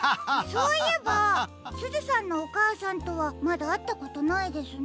そういえばすずさんのおかあさんとはまだあったことないですね。